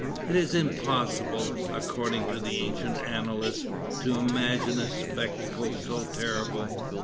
It is impossible, according to the ancient annalists, to imagine a spectacle so terrible.